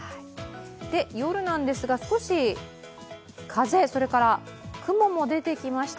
夜なんですが、少し風雲も出てきました。